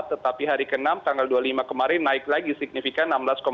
tetapi hari ke enam tanggal dua puluh lima kemarin naik lagi signifikan enam belas dua puluh